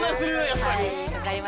やっぱり。